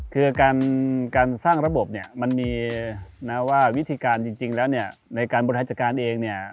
คือการสร้างระบบมันมีวิธีการจริงแล้วในการบริธัจการเอง